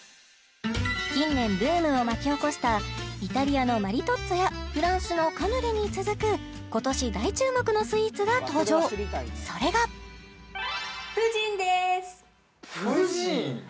近年ブームを巻き起こしたイタリアのマリトッツォやフランスのカヌレに続く今年大注目のスイーツが登場それがプヂンです！